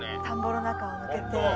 田んぼの中を抜けて。